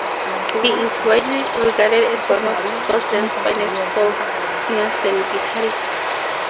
He is widely regarded as one of Scotland's finest folk singers and guitarists.